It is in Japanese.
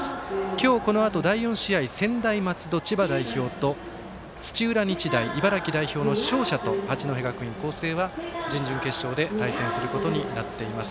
今日、このあと第４試合専大松戸、千葉代表と土浦日大、茨城代表の勝者と八戸学院光星は準々決勝で対戦することになっています。